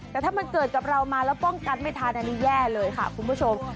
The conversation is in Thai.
แต่ถ้ามันเกิดกับเรามาแล้วป้องกันไม่ทันอันนี้แย่เลยค่ะคุณผู้ชม